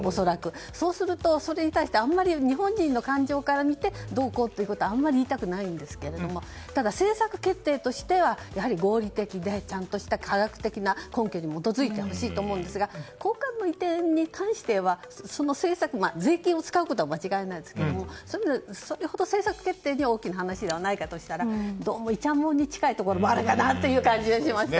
そうすると、それに対して日本人の感情から見てどうこうということはあまり言いたくないんですけどもただ政策決定としては合理的で科学的な根拠に基づいてほしいと思いますが公館の移転に関しては税金を使うことは間違いなんですけどもそれほど政策決定に大きな話でないとしたらどうもいちゃもんに近いところもあるかなという感じがしました。